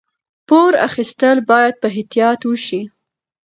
پور اخیستل باید په احتیاط وشي.